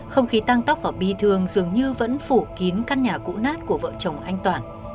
không khí tăng tóc hoặc bi thường dường như vẫn phủ kín căn nhà cũ nát của vợ chồng anh toàn